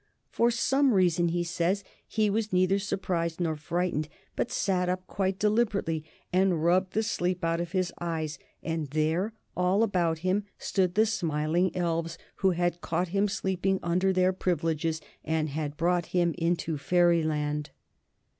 For some reason, he says, he was neither surprised nor frightened, but sat up quite deliberately and rubbed the sleep out of his eyes. And there all about him stood the smiling elves who had caught him sleeping under their privileges and had brought him into Fairyland.